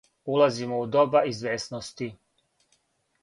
Улазимо у доба извесности.